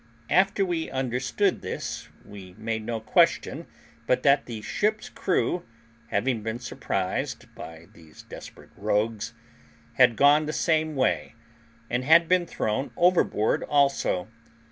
After we understood this we made no question but that the ship's crew, having been surprised by these desperate rogues, had gone the same way, and had been thrown overboard also.